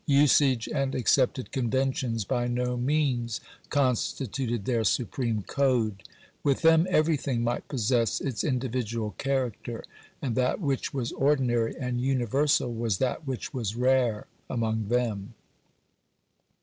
Usage and accepted conventions by no means constituted their supreme code. With them everything might possess its individual char acter, and that which was ordinary and universal was that which was rare among them.